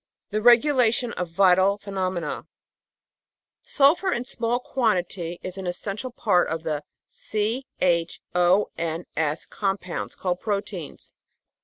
The Regulation of Vital Phenomena Sulphur in small quantity is an essential part of the C H O N S compounds called proteins.